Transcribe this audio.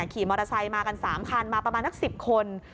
ขี่มอเตอร์ไซค์มากัน๓คันมาประมาณนัก๑๐คน